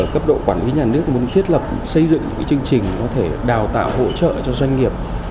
cấp độ quản lý nhà nước muốn thiết lập xây dựng những chương trình có thể đào tạo hỗ trợ cho doanh nghiệp